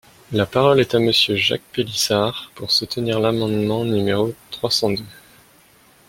La parole est à Monsieur Jacques Pélissard, pour soutenir l’amendement numéro trois cent deux.